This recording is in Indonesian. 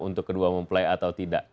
untuk kedua mempelai atau tidak